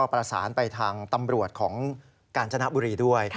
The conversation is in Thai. ประสานไปทางตำรวจของกาญจนบุรีด้วย